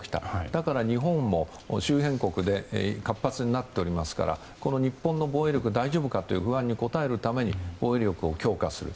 だから、日本も周辺国で活発になっていますからこの日本の防衛力、大丈夫かという不安に応えるために防衛力を強化する。